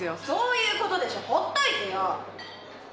そういうことでしょ！